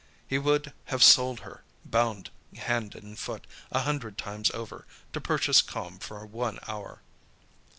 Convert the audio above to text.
He would have sold her, bound hand and foot, a hundred times over, to purchase calm for one hour.